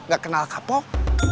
gak kenal kapok